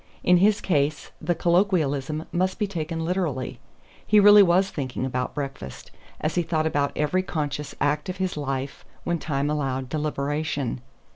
In his case the colloquialism must be taken literally; he really was thinking about breakfast, as he thought about every conscious act of his life when time allowed deliberation.